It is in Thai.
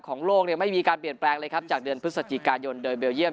ของโลกไม่มีการเปลี่ยนแปลงเลยครับจากเดือนพฤศจิกายนโดยเบลเยี